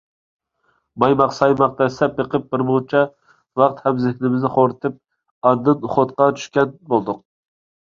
مايماق-سايماق دەسسەپ بېقىپ، بىرمۇنچە ۋاقىت ھەم زېھنىمىزنى خورىتىپ ئاندىن خوتقا چۈشكەن بولدۇق.